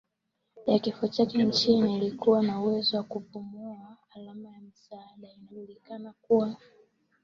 ya kifo chake nchi alikuwa na uwezo wa kupumua alama ya misaada Inajulikana kuwa